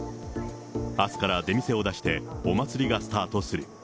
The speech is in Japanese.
あすから出店を出して、お祭りがスタートする。